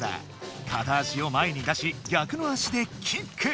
かた足を前に出しぎゃくの足でキック！